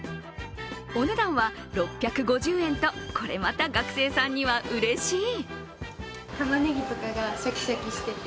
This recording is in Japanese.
お値段は６５０円と、これまた学生さんにはうれしい。